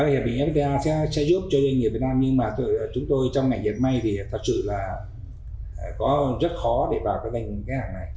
hiệp định fta sẽ giúp cho doanh nghiệp việt nam nhưng mà chúng tôi trong ngành dịch may thì thật sự là có rất khó để vào cái hành này